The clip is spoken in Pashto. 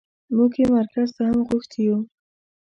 موږ يې مرکز ته هم غوښتي يو.